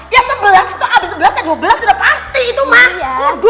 ya sebelas itu abis sebelas ya dua belas sudah pasti itu mah